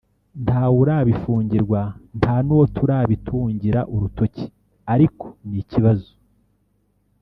“Nta we urabifungirwa nta n’uwo turabitungira urutoki ariko ni ikibazo[…]